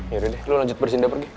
yaudah deh lu lanjut bersinda pergi